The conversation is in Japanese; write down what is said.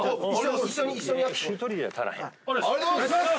ありがとうございます！